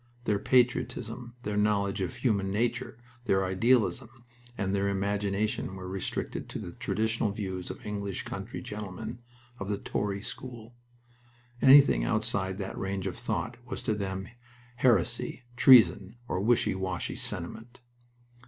Their patriotism, their knowledge of human nature, their idealism, and their imagination were restricted to the traditional views of English country gentlemen of the Tory school. Anything outside that range of thought was to them heresy, treason, or wishy washy sentiment.